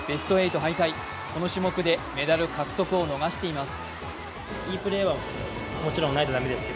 ８敗退、この種目でメダル獲得を逃しています。